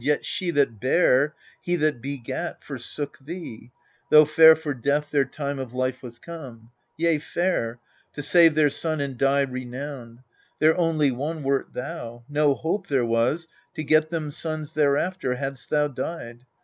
Yet she that bare, he that begat, forsook thee, Though fair for death their time of life was come, Yea, fair, to save their son and die renowned. Their only one wert thou : no hope there was To get them sons thereafter, hadst thou died.